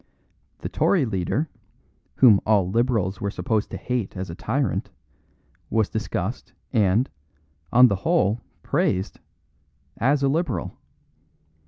The Tory leader, whom all Liberals were supposed to hate as a tyrant, was discussed and, on the whole, praised as a Liberal.